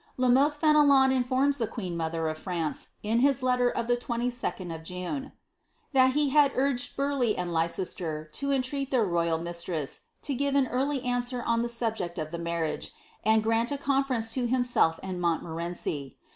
La Mothe Fenelon informs the queen mother of France, in his letter of the 22d of June, ^^ that he had urged Burleigh and Leicester to en treat their royal mistress to give an early answer on the subject of the marriage, and grant a conference to himself and Montmorenci.